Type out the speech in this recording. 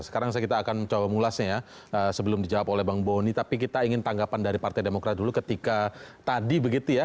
sekarang kita akan coba mulasnya ya sebelum dijawab oleh bang boni tapi kita ingin tanggapan dari partai demokrat dulu ketika tadi begitu ya